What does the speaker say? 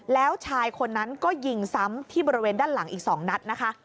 แล้วชายคนนั้นก็ยิงซ้ำที่บริเวณด้านหลังอีก๒นัดนะคะ